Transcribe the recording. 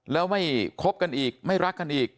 แล้วไม่คบกันอีกไม่รักกันอีก